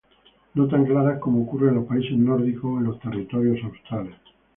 No tan claras como ocurre en los países nórdicos, o en los territorios australes.